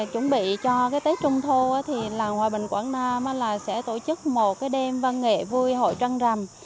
chuẩn bị cho tết trung thu làng hòa bình quảng nam sẽ tổ chức một đêm văn nghệ vui hội trăng rằm